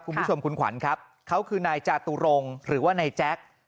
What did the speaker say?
คุณผู้ชมคุณขวัญครับเขาคือนายจาตุรงค์หรือว่านายแจ๊ค